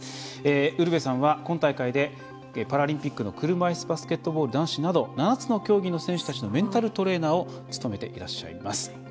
ウルヴェさんは今大会パラリンピックの車いすバスケットボール男子など７つの競技の選手たちのメンタルトレーナーを務めていらっしゃいます。